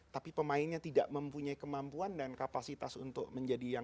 tapi pemainnya tidak mempunyai kemampuan dan kapasitas untuk menjadi yang